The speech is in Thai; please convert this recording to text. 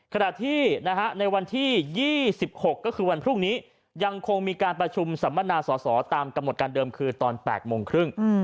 ขณะที่ก็คือวันพรุ่งนี้ยังคงมีการประชุมสัมบัตินาศาสตร์ตามกระหมดการเดิมคืนตอน๘โมงครึ่ง